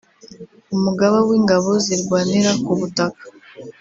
Umugaba w’Ingabo zirwanira ku butaka